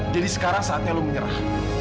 jadi sekarang saatnya lo menyerah